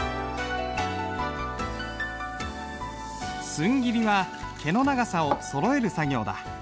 寸切りは毛の長さをそろえる作業だ。